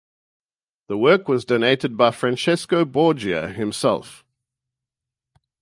The work was donated by Francesco Borgia himself.